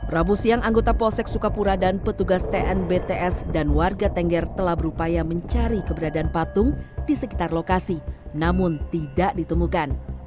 rabu siang anggota polsek sukapura dan petugas tnbts dan warga tengger telah berupaya mencari keberadaan patung di sekitar lokasi namun tidak ditemukan